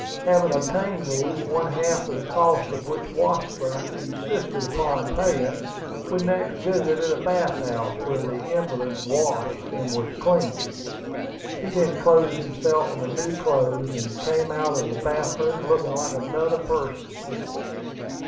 Having obtained these, one half of the cost of which Washburn insisted upon paying, we next visited a bath house, where the invalid "washed and was clean." He then clothed himself in the new clothes, and came out of the bath room looking like another person.